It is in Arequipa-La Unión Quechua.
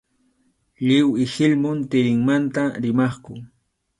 Lliw ihilmum tirinmanta rimaqku.